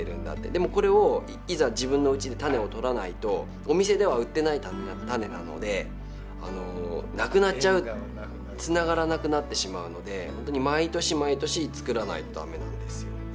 でもこれをいざ自分のうちで種を取らないとお店では売ってない種なのでなくなっちゃうつながらなくなってしまうのでほんとに毎年毎年作らないと駄目なんですよそれは。